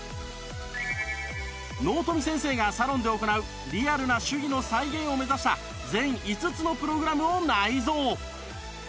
納富先生がサロンで行うリアルな手技の再現を目指した全５つのプログラムを内蔵